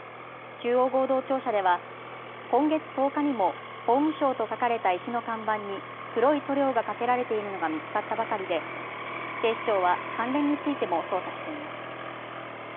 中央合同庁舎では今月１０日にも法務省と書かれた石の看板に黒い塗料がかけられているのが見つかったばかりで警視庁は関連についても捜査しています。